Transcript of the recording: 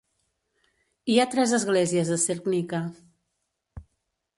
Hi ha tres esglésies a Cerknica.